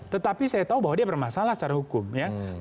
tetapi saya tahu bahwa dia bermasalah secara hukum ya